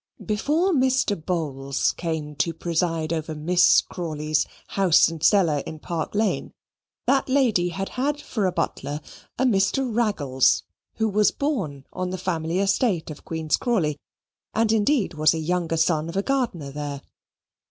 Before Mr. Bowls came to preside over Miss Crawley's house and cellar in Park Lane, that lady had had for a butler a Mr. Raggles, who was born on the family estate of Queen's Crawley, and indeed was a younger son of a gardener there.